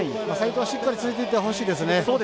齋藤はしっかりついていってほしいですね。